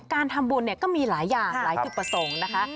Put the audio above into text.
การทำบุญเนี่ยก็มีหลายอย่างหลายจุดประสงค์นะคะ